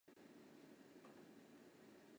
他曾经排名世界第一位。